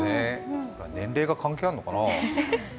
年齢が関係あるのかな？